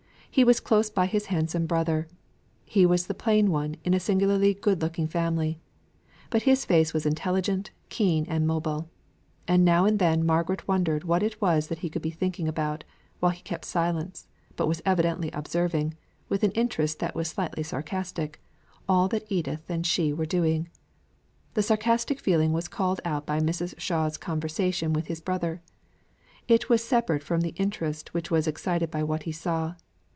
He was close by his handsome brother; he was the plain one in a singularly good looking family; but his face was intelligent, keen, and mobile; and now and then Margaret wondered what it was that he could be thinking about, while he kept silence, but was evidently observing, with an interest that was slightly sarcastic, all that Edith and she were doing. The sarcastic feeling was called out by Mrs. Shaw's conversation with his brother; it was separate from the interest which was excited by what he saw.